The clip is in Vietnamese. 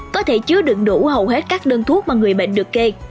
có thể chứa đựng đủ hầu hết các đơn thuốc mà người bệnh được kê